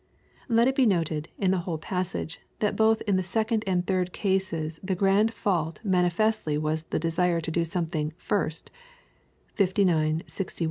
Let it be noted in the whole passage, that both in the second and third cases the grand fault manifestly was the desire to do something " first," (59, 61 versK»s) before doing Christ's work.